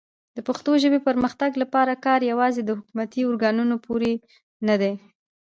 د پښتو ژبې پرمختګ لپاره کار یوازې د حکومتي ارګانونو پورې نه دی.